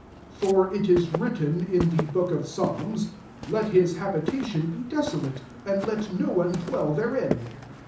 20 '< For it is written in the book of Psalms, ' Let his habitation be desolate; and let no one 4well therein.'